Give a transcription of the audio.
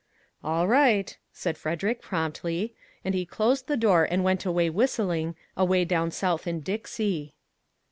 " All right," said Frederick, promptly, and he closed the door and went away whistling " Away Down South in Dixie."